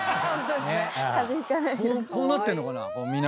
こうなってんのかな？